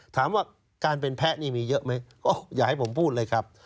ถามว่าการเป็นแพ้นี่มีเยอะไหมก็อย่าให้ผมพูดเลยครับ